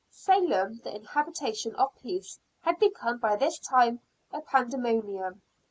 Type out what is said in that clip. Salem, the habitation of peace, had become, by this time a pandemonium.